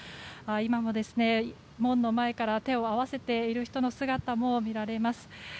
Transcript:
今も門の前から手を合わせている人の姿も見られます。